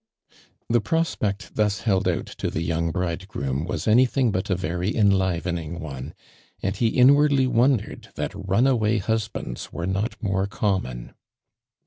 The prospect thus hold out to the young bridegroom was anything but si very enli vening one, and he inwardly wondered that runaway husbands wore not more com mon.